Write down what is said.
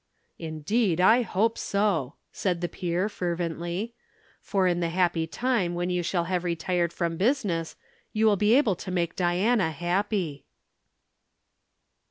"Indeed I hope so," said the peer fervently, "for in the happy time when you shall have retired from business you will be able to make Diana happy."